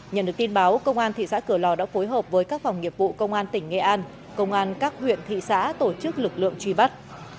nhận được tin báo công an thị xã cửa lò đã phối hợp với các phòng nghiệp vụ công an tỉnh nghệ an công an các huyện thị xã tổ chức lực lượng truy bắt